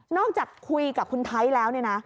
นอกจากคุยกับคุณไทยแล้ว